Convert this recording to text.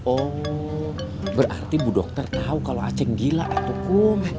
oh berarti bu dokter tau kalo aceh gila atau kum